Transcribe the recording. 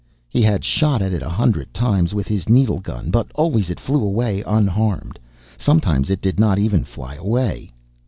_" He had shot at it a hundred times with his needle gun, but always it flew away unharmed. Sometimes it did not even fly away.